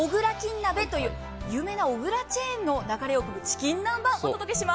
なべという有名なおぐらチェーンの流れをくむチキン南蛮をお届けします。